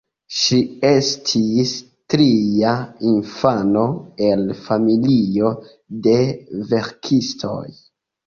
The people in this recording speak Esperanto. Ŝi estis tria infano el familio de verkistoj.